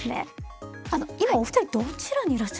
今お二人どちらにいらっしゃるんですか？